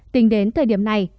tỉnh đến thời điểm này